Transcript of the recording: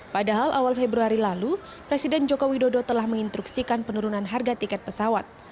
padahal awal februari lalu presiden joko widodo telah menginstruksikan penurunan harga tiket pesawat